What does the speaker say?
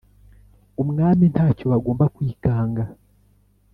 umwami nta cyo bagomba kwikanga.